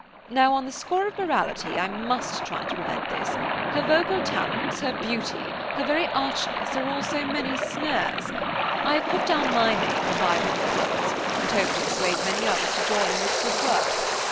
Now, on the score of morality, I must try to prevent this–her vocal talents, her beauty, her very archness, are all so many snares–I have put down my name for five hundred pounds, and hope to persuade many others to join in this good work.